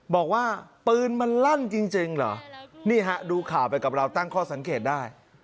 บอกว่าปืนมันลั่นจริงเหรอนี่ฮะดูข่าวไปกับเราตั้งข้อสังเกตได้